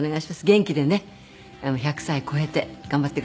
元気でね１００歳超えて頑張ってください。